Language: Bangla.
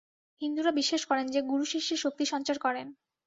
হিন্দুরা বিশ্বাস করেন যে, গুরু শিষ্যে শক্তিসঞ্চার করেন।